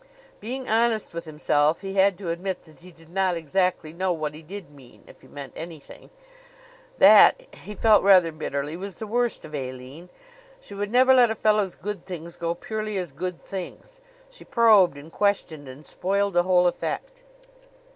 Being honest with himself, he had to admit that he did not exactly know what he did mean if he meant anything. That, he felt rather bitterly, was the worst of Aline. She would never let a fellow's good things go purely as good things; she probed and questioned and spoiled the whole effect.